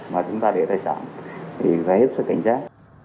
mà chúng ta để tài sản thì phải hết sức cảnh giác